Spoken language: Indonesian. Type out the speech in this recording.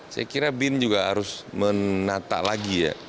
saya kira bin juga harus menata lagi ya